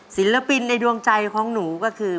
ศิลปินในดวงใจของหนูก็คือ